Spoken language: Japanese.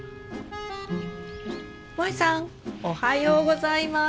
もえさんおはようございます。